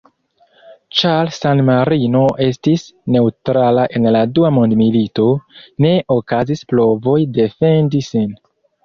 Ĉar San-Marino estis neŭtrala en la dua mondmilito, ne okazis provoj defendi sin.